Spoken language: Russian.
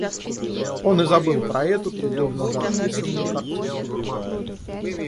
Он и забыл про эту, три года назад писанную, картину.